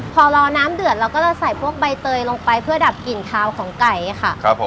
พอรอน้ำเดือดเราก็จะใส่พวกใบเตยลงไปเพื่อดับกลิ่นคาวของไก่ค่ะครับผม